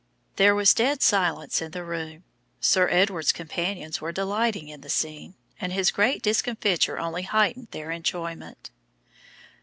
There was dead silence in the room. Sir Edward's companions were delighting in the scene, and his great discomfiture only heightened their enjoyment.